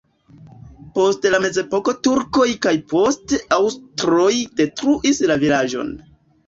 Post la mezepoko turkoj kaj poste aŭstroj detruis la vilaĝon.